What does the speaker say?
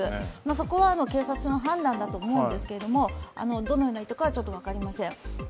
そこは警察の判断だと思うんですけど、どのような意図かはちょっと分かりません。